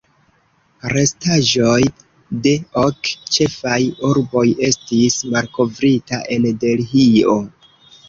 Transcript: Restaĵoj de ok ĉefaj urboj estis malkovrita en Delhio.